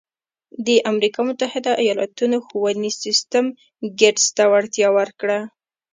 د امریکا متحده ایالتونو ښوونیز سیستم ګېټس ته وړتیا ورکړه.